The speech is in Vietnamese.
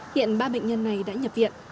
hiện ba bệnh nhân này đã nhập viện